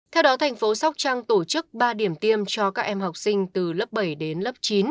theo đó tp sopchang tổ chức ba điểm tiêm cho các em học sinh từ lớp bảy đến lớp chín